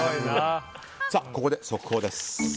ここで速報です。